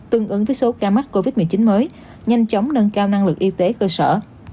tương ứng với số ca mắc covid một mươi chín mới nhanh chóng nâng cao năng lực y tế cơ sở